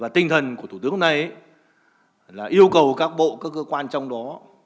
tinh thần của thủ tướng hôm nay là yêu cầu các bộ các cơ quan trong đó